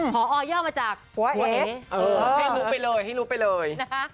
พอย่อมาจากหัวเอ๊ให้รู้ไปเลยให้รู้ไปเลยนะฮะ